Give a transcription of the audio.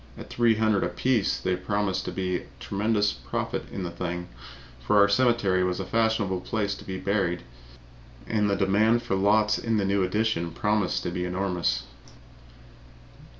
At $300 apiece there promised to be a tremendous profit in the thing, for our cemetery was a fashionable place to be buried in and the demand for the lots in the new addition promised to be enormous.